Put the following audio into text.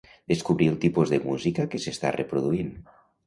Descobrir el tipus de música que s'està reproduint.